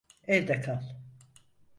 Evde kal.